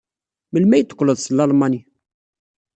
Melmi ay d-teqqleḍ seg Lalman?